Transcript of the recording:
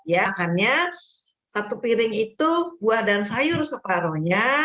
makannya satu piring itu buah dan sayur separohnya